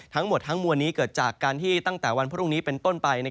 ทั้งหมดทั้งมวลนี้เกิดจากการที่ตั้งแต่วันพรุ่งนี้เป็นต้นไป